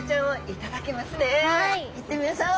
行ってみましょう。